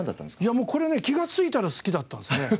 いやもうこれね気がついたら好きだったんですね。